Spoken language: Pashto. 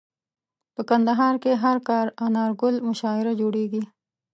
په کندهار کي هر کال انارګل مشاعره جوړیږي.